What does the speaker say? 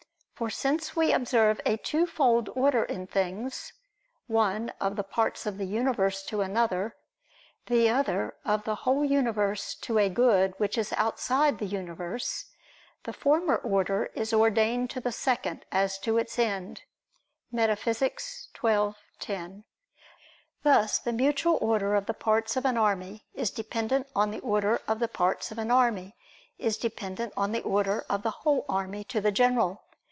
For since we observe a twofold order in things one, of the parts of the universe to one another, the other, of the whole universe to a good which is outside the universe; the former order is ordained to the second as to its end (Metaph. xii, 10). Thus the mutual order of the parts of an army is dependent on the order of the parts of an army is dependent on the order of the whole army to the general.